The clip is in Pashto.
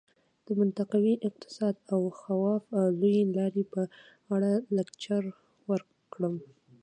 د منطقوي اقتصاد او خواف لویې لارې په اړه لکچر ورکړم.